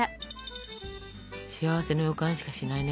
幸せの予感しかしないね